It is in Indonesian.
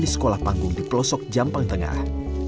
di sekolah panggung di pelosok jampang tengah